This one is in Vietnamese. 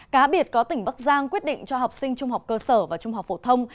cá biệt có tỉnh bắc giang quyết định cho học sinh trung học cơ sở và trung học phổ thông